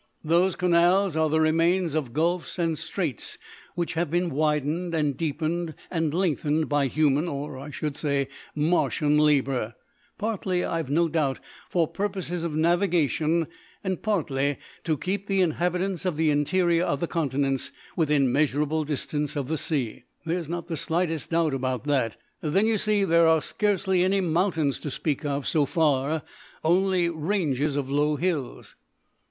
Those canals are the remains of gulfs and straits which have been widened and deepened and lengthened by human, or I should say Martian, labour, partly, I've no doubt, for purposes of navigation and partly to keep the inhabitants of the interior of the continents within measurable distance of the sea. There's not the slightest doubt about that. Then, you see, there are scarcely any mountains to speak of so far, only ranges of low hills."